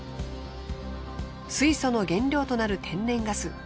水素の原料となる天然ガス。